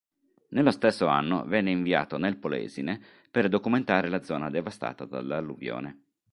Nello stesso anno venne inviato nel Polesine per documentare la zona devastata dall’alluvione.